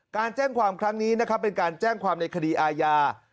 การแจ้งความครั้งนี้นะครับเป็นการแจ้งความในคดีอาญา